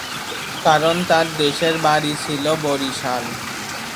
কারণ তার দেশের বাড়ি ছিল বরিশাল।